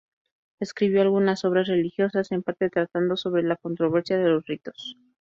Escribió algunas obras religiosas, en parte tratando sobre la controversia de los ritos.